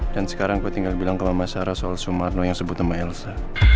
dan sekarang gue tinggal bilang ke mama sarah soal sumarno yang sebut sama elsa